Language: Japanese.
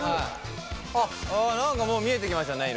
あっ何かもう見えてきましたね